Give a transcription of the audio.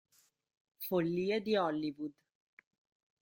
Follie di Hollywood